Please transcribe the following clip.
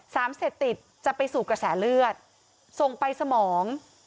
สารเสพติดจะไปสู่กระแสเลือดส่งไปสมอง